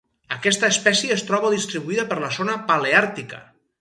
Aquesta espècie es troba distribuïda per la zona paleàrtica.